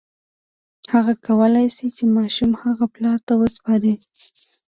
هغه کولی شي چې ماشوم هغه پلار ته وسپاري.